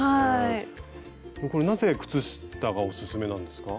これなぜ靴下がおすすめなんですか？